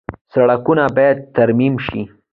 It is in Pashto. سړکونه باید ترمیم شي